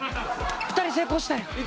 ２人成功したやん。